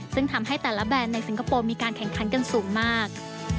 ซึ่งทำให้แต่ละแบรนด์ในสิงคโปร์มีการแข่งขันกันสูงมาก